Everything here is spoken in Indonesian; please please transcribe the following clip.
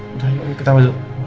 udah yuk kita ambil ambil